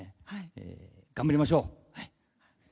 頑張りましょう。